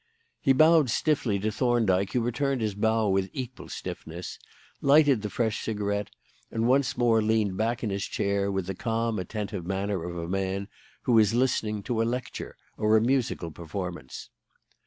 He bowed stiffly to Thorndyke (who returned his bow with equal stiffness), lighted the fresh cigarette, and once more leaned back in his chair with the calm, attentive manner of a man who is listening to a lecture or a musical performance.